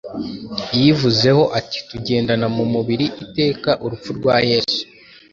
Yivuzeho ati: “Tugendana mu mubiri iteka urupfu rwa Yesu,